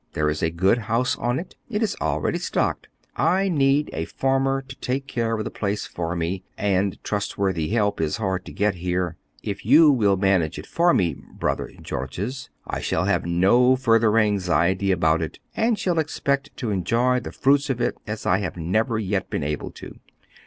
There is a good house on it; it is already stocked. I need a farmer to take care of the place for me, and trustworthy help is hard to get here. If you will manage it for me, Brother Georges, I shall have no further anxiety about it, and shall expect to enjoy the fruits of it as I have never yet been able to do.